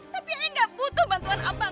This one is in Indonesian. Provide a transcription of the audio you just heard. tapi ayah nggak butuh bantuan abang